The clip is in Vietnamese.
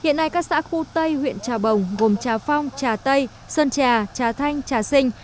hiện nay các xã khu tây huyện trà bồng gồm trà phong trà tây sơn trà trà thanh trà sinh